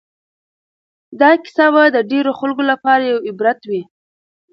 دا کیسه به د ډېرو خلکو لپاره یو عبرت وي.